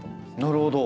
なるほど。